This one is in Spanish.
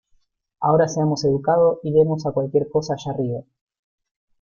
Ahora, seamos educados y demos a cualquier cosa allá arriba...